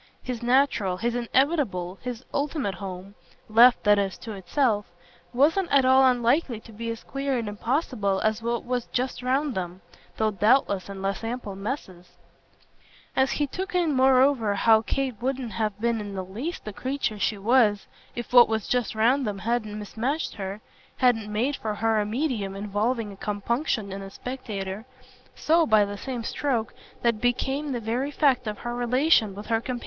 His natural, his inevitable, his ultimate home left, that is, to itself wasn't at all unlikely to be as queer and impossible as what was just round them, though doubtless in less ample masses. As he took in moreover how Kate wouldn't have been in the least the creature she was if what was just round them hadn't mismatched her, hadn't made for her a medium involving compunction in the spectator, so, by the same stroke, that became the very fact of her relation with her companions there, such a fact as filled him at once, oddly, both with assurance and with suspense.